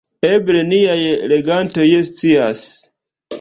Eble niaj legantoj scias.